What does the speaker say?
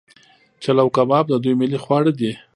چلو کباب د دوی ملي خواړه دي.